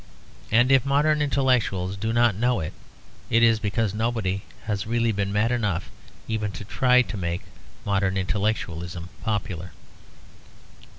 And if modern intellectuals do not know it, it is because nobody has really been mad enough even to try to make modern intellectualism popular.